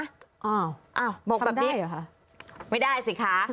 อ้าวทำได้เหรอคะบอกแบบนี้ไม่ได้สิคะ